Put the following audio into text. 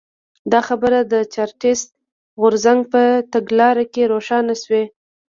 دا خبره د چارټېست غورځنګ په تګلاره کې روښانه شوې.